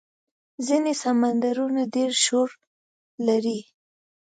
ځینې سمندرونه ډېر شور لري.